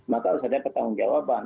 maka harus ada pertanggung jawaban